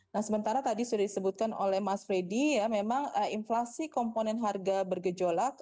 nah sementara tadi sudah disebutkan oleh mas freddy ya memang inflasi komponen harga bergejolak